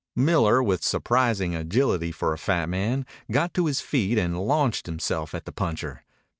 Miller, with surprising agility for a fat man, got to his feet and launched himself at the puncher.